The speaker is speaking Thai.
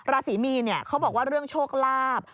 ราศีมีนเขาบอกว่าเรื่องโชคลาภ